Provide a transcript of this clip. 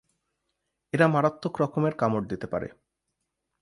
এরা মারাত্মক রকমের কামড় দিতে পারে।